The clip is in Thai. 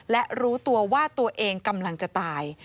และรู้ตัวว่าตัวเองกำลังจะตาย